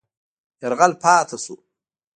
یرغل پاتې شو.